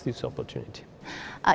chính quyền có vấn đề